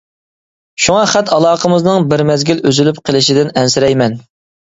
شۇڭا خەت-ئالاقىمىزنىڭ بىر مەزگىل ئۈزۈلۈپ قېلىشىدىن ئەنسىرەيمەن.